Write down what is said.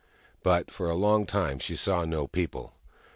But for a long time she saw no people.